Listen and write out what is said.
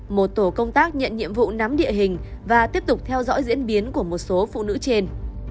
một tổ công tác nhận nhiệm vụ nắm địa hình và tiếp tục theo dõi diễn biến của một số phụ nữ trên